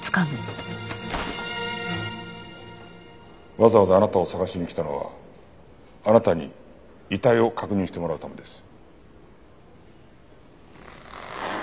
わざわざあなたを捜しに来たのはあなたに遺体を確認してもらうためです。